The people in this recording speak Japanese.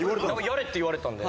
やれって言われたんで。